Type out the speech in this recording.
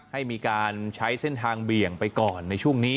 ให้มีการใช้เส้นทางเบี่ยงไปก่อนในช่วงนี้